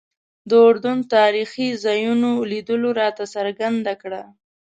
د اردن تاریخي ځایونو لیدلو راته څرګنده کړه.